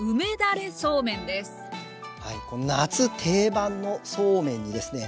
夏定番のそうめんにですね